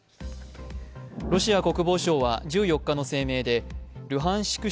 ロシア国防省は１４日の声明でルハンシク